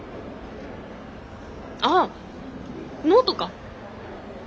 ああノートか。